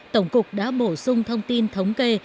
tổng cục đã bổ sung thông tin thống kê